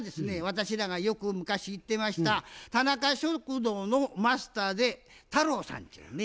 私らがよく昔行ってました田中食堂のマスターで太郎さんてゆうね。